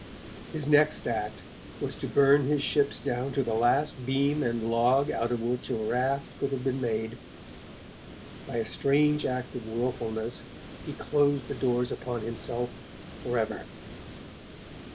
His next act was to burn his ships down to the last beam and log out of which a raft could have been made. By a strange act of wilfulness, he closed the doors upon himself forever.